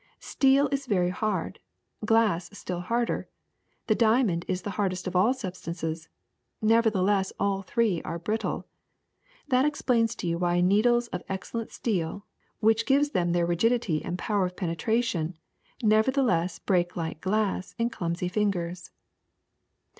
Steel is very hard, glass still harder, the diamond the hardest of all substances; nevertheless all three are brittle. That explains to you why needles of excellent steel, which gives them their rigidity and power of penetration, nevertheless break like glass in clumsy fingers.